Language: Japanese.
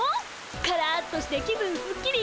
カラッとして気分すっきり。